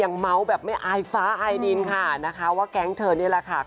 ลองเช็คข่าวดูดีนะคุณผู้ชมขานะคะ